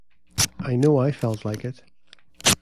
I know I felt like it.